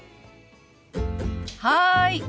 はい。